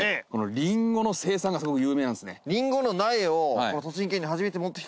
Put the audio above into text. リンゴの生産がすごく有名なんですね。